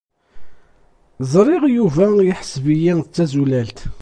Ẓriɣ Yuba yeḥseb-iyi d tazulalt.